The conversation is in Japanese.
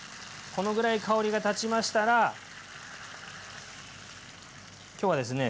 このぐらい香りがたちましたら今日はですね